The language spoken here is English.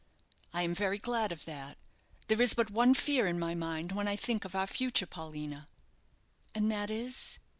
"I am very glad of that. There is but one fear in my mind when I think of our future, Paulina." "And that is?"